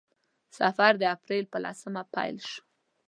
سفر د اپریل په لسمه پیل شو.